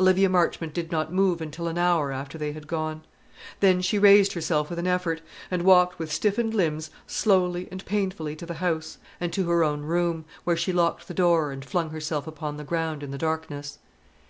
Olivia Marchmont did not move until an hour after they had gone. Then she raised herself with an effort, and walked with stiffened limbs slowly and painfully to the house, and to her own room, where she locked her door, and flung herself upon the ground in the darkness.